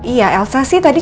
iya elsa sih tadi